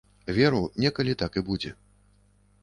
Веру, некалі так і будзе.